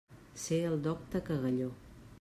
Ser el docte Cagalló.